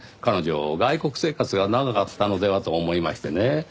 彼女外国生活が長かったのではと思いましてね。